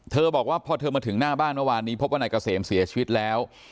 บอกว่าพอเธอมาถึงหน้าบ้านเมื่อวานนี้พบว่านายเกษมเสียชีวิตแล้ว